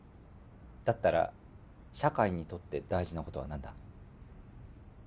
だったら社会にとって大事な事は何だ？